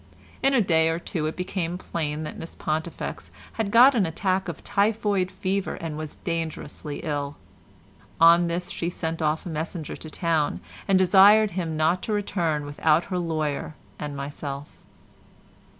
In a day or two it became plain that Miss Pontifex had got an attack of typhoid fever and was dangerously ill. On this she sent off a messenger to town, and desired him not to return without her lawyer and myself.